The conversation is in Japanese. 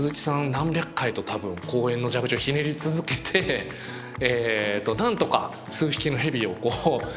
何百回と多分公園の蛇口をひねり続けてなんとか数匹の蛇を見つけ出したっていう